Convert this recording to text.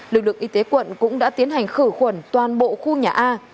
lực lượng y tế quận cũng đã tiến hành khử khuẩn toàn bộ khu nhà a